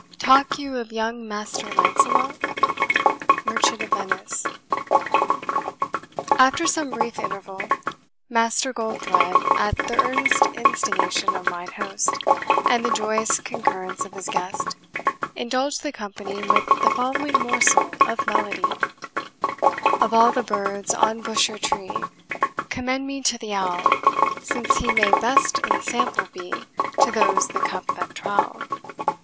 Talk you of young Master Lancelot? MERCHANT OF VENICE. After some brief interval, Master Goldthred, at the earnest instigation of mine host, and the joyous concurrence of his guest, indulged the company with, the following morsel of melody: "Of all the birds on bush or tree, Commend me to the owl, Since he may best ensample be To those the cup that trowl.